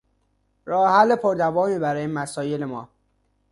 راه حل پر دوامی برای مسایل ما